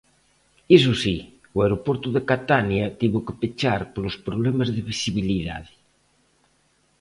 Iso si, o aeroporto de Catania tivo que pechar polos problemas de visibilidade.